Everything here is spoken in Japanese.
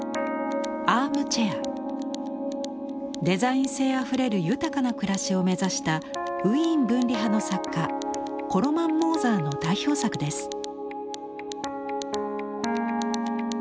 デザイン性あふれる豊かな暮らしを目指したウィーン分離派の作家コロマン・モーザーの代表作です。